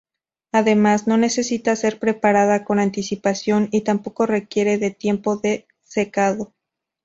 Además, no necesita ser preparada con anticipación y tampoco requiere de tiempo de secado.